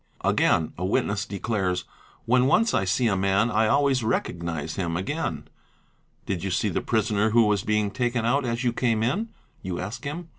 Again a witness declares, ' When once I see a man I always recognise him again." '' Did you see the prisoner who was being taken out as you came in?" you ask him.